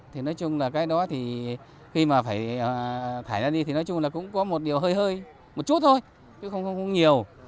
thì nói chung là cái đó thì khi mà phải thải ra đi thì nói chung là cũng có một điều hơi một chút thôi chứ không nhiều